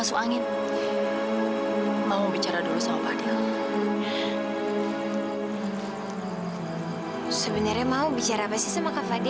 kamu jangan pernah mempermainkan perasaan anak saya